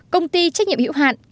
năm công ty trách nhiệm hữu hạn